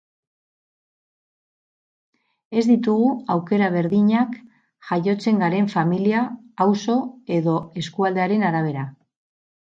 Ez ditugu aukera berdinak jaiotzen garen familia, auzo edo eskualdearen arabera.